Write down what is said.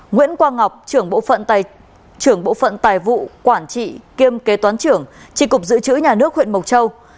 nguyễn quang ngọc trưởng bộ phận tài vụ quản trị kiêm kế toán trưởng tri cục dự trữ nhà nước huyện mộc châu